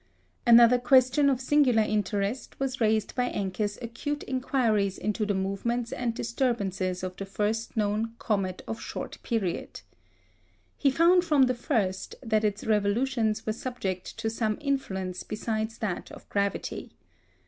Another question of singular interest was raised by Encke's acute inquiries into the movements and disturbances of the first known "comet of short period." He found from the first that its revolutions were subject to some influence besides that of gravity.